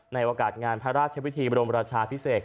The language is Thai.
ในโอกาสงานพระราชวิธีบรมราชาพิเศษ